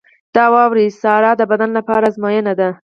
• د واورې ساړه د بدن لپاره ازموینه ده.